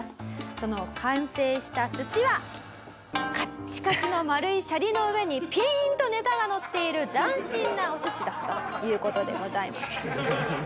その完成した寿司はカッチカチの丸いシャリの上にピーンとネタがのっている斬新なお寿司だったという事でございます。